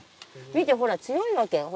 見てほら強いわけよ。